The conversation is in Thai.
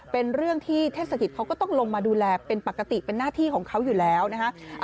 เป็นเรื่องที่เทศกิจเขาก็ต้องลงมาดูแลเป็นปกติเป็นหน้าที่ของเขาอยู่แล้วนะฮะ